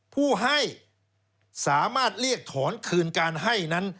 ผู้ให้สามารถเรียกถอนคืนการให้นั้น